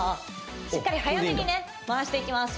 しっかり速めにね回していきます